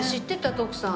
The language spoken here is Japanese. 徳さん。